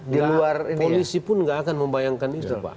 di luar polisi pun nggak akan membayangkan itu pak